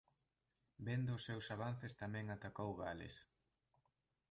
Vendo os seus avances tamén atacou Gales.